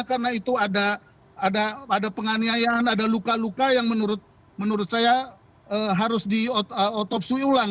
karena itu ada penganiayaan ada luka luka yang menurut saya harus di otopsi ulang